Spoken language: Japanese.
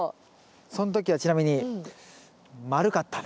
その時はちなみに丸かったね。